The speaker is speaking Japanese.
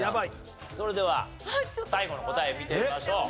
それでは最後の答え見てみましょう。